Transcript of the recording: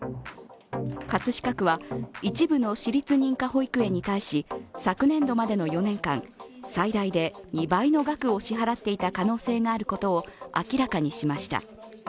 葛飾区は、一部の私立認可保育園に対し昨年度までの４年間、最大で２倍の額を支払っていた可能性があることを明らかにしました。